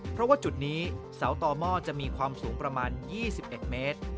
เพราะว่าจุดนี้เสาต่อหม้อจะมีความสูงประมาณ๒๑เมตร